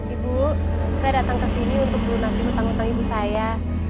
ibu saya datang ke sini untuk melunasi utang utang ibu saya